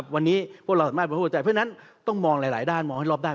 วันนี้พวกเราสามารถบริโภคได้เพราะฉะนั้นต้องมองหลายด้านมองให้รอบด้าน